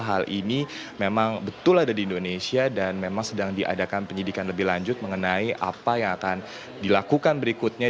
hal ini memang betul ada di indonesia dan memang sedang diadakan penyidikan lebih lanjut mengenai apa yang akan dilakukan berikutnya